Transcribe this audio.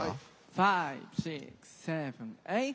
はい。